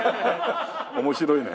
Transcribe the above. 面白いね。